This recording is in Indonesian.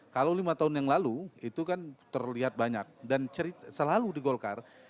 kalau lima tahun yang lalu itu kan terlihat banyak dan selalu di golkar